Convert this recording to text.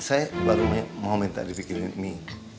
saya baru aja mau minta dipikirin mie